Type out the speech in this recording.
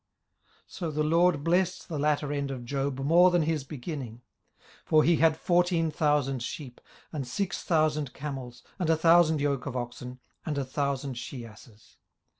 18:042:012 So the LORD blessed the latter end of Job more than his beginning: for he had fourteen thousand sheep, and six thousand camels, and a thousand yoke of oxen, and a thousand she asses.